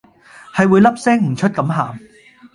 係會粒聲唔出咁喊